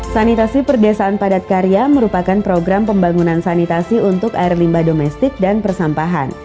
sanitasi perdesaan padat karya merupakan program pembangunan sanitasi untuk air limbah domestik dan persampahan